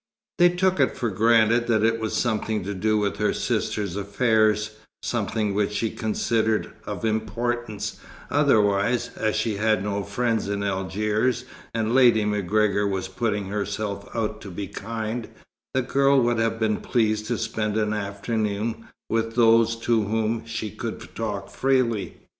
They took it for granted that it was something to do with her sister's affairs, something which she considered of importance; otherwise, as she had no friends in Algiers, and Lady MacGregor was putting herself out to be kind, the girl would have been pleased to spend an afternoon with those to whom she could talk freely.